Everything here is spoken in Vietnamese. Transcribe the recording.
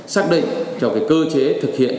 xác định cho cơ chế thực hiện